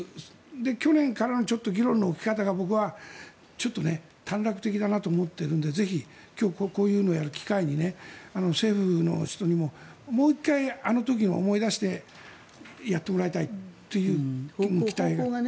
去年からの議論の置き方が僕は短絡的だなと思ってるんでぜひ今日、こういうのをやる機会に政府の人にも、もう１回あの時を思い出してやってもらいたいという期待が。